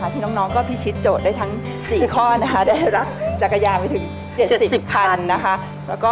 ที่น้องก็พิชิตโจทย์ได้ทั้ง๔ข้อได้รับจักรยานไปถึง๗๐คันนะคะ